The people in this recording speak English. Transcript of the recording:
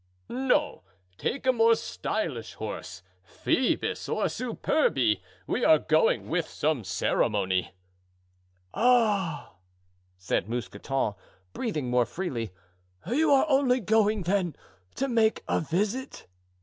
"No, take a more stylish horse, Phoebus or Superbe; we are going with some ceremony." "Ah," said Mousqueton, breathing more freely, "you are only going, then, to make a visit?"